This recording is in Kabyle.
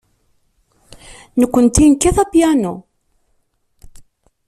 Nekkenti nekkat apyanu.